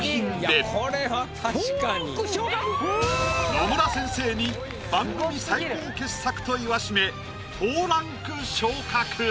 野村先生に番組最高傑作と言わしめ４ランク昇格。